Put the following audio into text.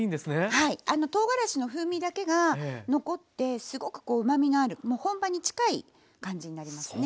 はいとうがらしの風味だけが残ってすごくこううまみのあるもう本場に近い感じになりますね。